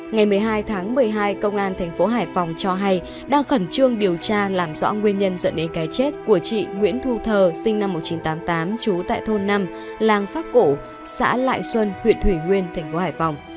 ngày một mươi hai tháng một mươi hai công an thành phố hải phòng cho hay đang khẩn trương điều tra làm rõ nguyên nhân dẫn đến cái chết của chị nguyễn thu thờ sinh năm một nghìn chín trăm tám mươi tám trú tại thôn năm làng pháp cổ xã lại xuân huyện thủy nguyên thành phố hải phòng